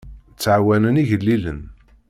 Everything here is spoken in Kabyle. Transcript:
Ttɛawanen igellilen.